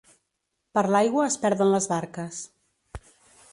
Per l'aigua es perden les barques.